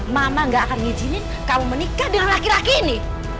mama gak akan ngizinin kamu menikah dengan laki laki ini